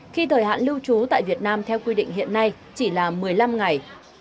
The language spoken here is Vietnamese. khi thời hạn lưu trú tại việt nam theo quy định hiện nay chỉ là một mươi năm ngày